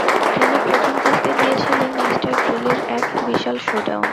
তিনি " প্রথম কিস্তি দিয়েছিলেন" মিঃ গ্রিলির এক বিশাল শোডাউন।